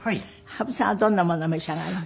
羽生さんはどんなものを召し上がる？